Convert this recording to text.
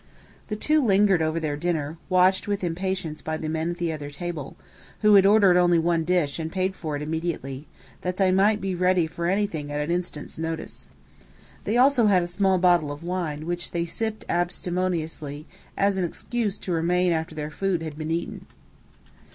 The two lingered over their dinner, watched with impatience by the men at the other table, who had ordered only one dish and paid for it immediately, that they might be ready for anything at an instant's notice. They had also a small bottle of wine, which they sipped abstemiously as an excuse to remain after their food had been eaten.